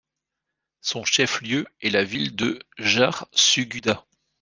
Son chef-lieu est la ville de Jharsuguda.